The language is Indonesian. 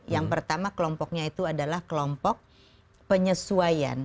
yang pertama kelompoknya itu adalah kelompok penyesuaian